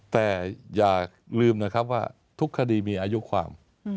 แต่อย่าลืมนะครับว่าทุกคดีมีอายุความ